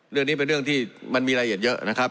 เรื่องนี้เป็นเรื่องที่มันมีรายละเอียดเยอะนะครับ